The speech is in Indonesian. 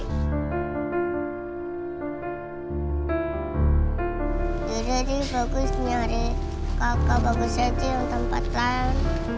ya udah deh bagus nyari kakak bagus aja yang tempatan